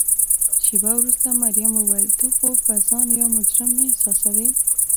شیبه وروسته مريم وویل: ته خو به ځان یو مجرم نه احساسوې؟